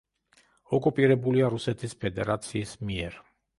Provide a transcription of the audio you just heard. ოკუპირებულია რუსეთის ფედერაციის მიერ.